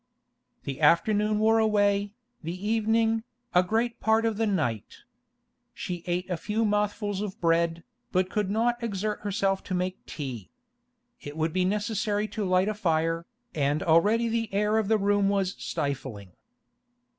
The afternoon wore away, the evening, a great part of the night. She ate a few mouthfuls of bread, but could not exert herself to make tea. It would be necessary to light a fire, and already the air of the room was stifling.